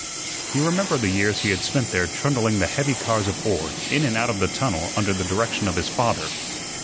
He remembered the years he had spent there trundling the heavy cars of ore in and out of the tunnel under the direction of his father.